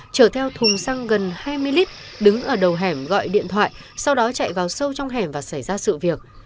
chở theo thùng xăng gần hai mươi lít đứng ở đầu hẻm gọi điện thoại sau đó chạy vào sâu trong hẻm và xảy ra sự việc